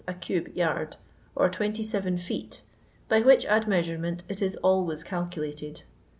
a cube yard, or 27 feet, by which admeasurement it is always odculated.